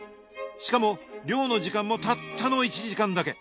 しかも漁の時間もたったの１時間だけ。